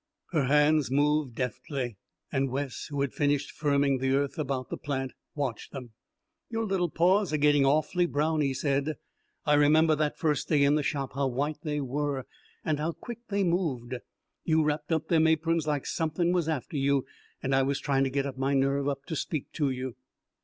Her hands moved deftly, and Wes, who had finished firming the earth about the plant, watched them. "Your little paws are gettin' awful brown," he said. "I remember that first day, in the shop, how white they were and how quick they moved. You wrapped up them aprons like somethin' was after you, and I was trying to get my nerve up to speak to you."